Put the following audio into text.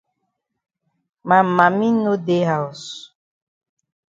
Ma mami no dey haus.